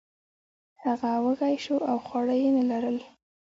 هغه وږی شو او خواړه یې نه لرل.